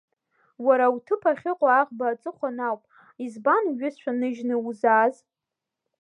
Уара уҭыԥ ахьыҟоу аӷба аҵыхәан ауп, избан уҩызцәа ныжьны узааз?